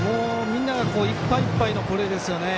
みんながいっぱいいっぱいのプレーですよね。